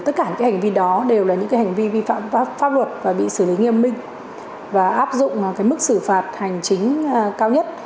tất cả những hành vi đó đều là những hành vi vi phạm pháp luật và bị xử lý nghiêm minh và áp dụng mức xử phạt hành chính cao nhất